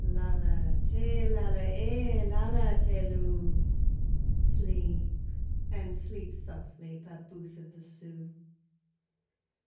Lala, Tee, Lala, Eh, Lala, Tee, Lou; Sleep and sleep softly, Papoose of the Sioux.